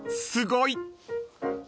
［すごい！］